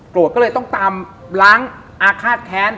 โกรธก็เลยต้องตามล้างอาฆาตแท้